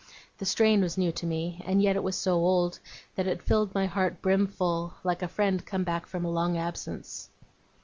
The strain was new to me, and yet it was so old that it filled my heart brim full; like a friend come back from a long absence.